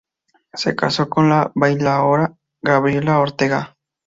Se casó con la bailaora Gabriela Ortega.